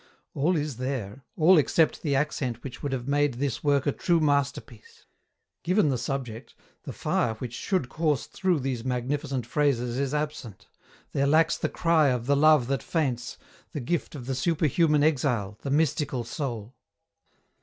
All is there, all except the accent which would have made this work a true masterpiece. Given the subject, the fire which should course through these magnificent phrases is absent, there lacks the cry of the love that faints, the gift of the superhuman exile, the mystical soul.